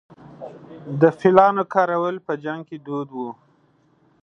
د فیلانو کارول په جنګ کې دود و